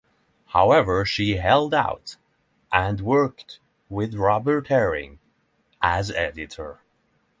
However she held out and worked with Robert Herring as editor.